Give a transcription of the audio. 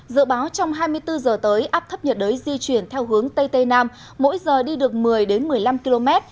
dự báo trong hai mươi bốn giờ tới áp thấp nhiệt đới di chuyển theo hướng tây tây nam mỗi giờ đi được một mươi một mươi năm km